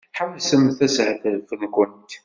Ḥebsemt ashetref-nwent!